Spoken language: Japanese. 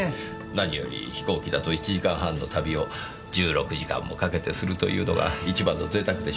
何より飛行機だと１時間半の旅を１６時間もかけてするというのが一番の贅沢でしょうか。